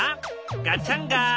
ガチャンガフン！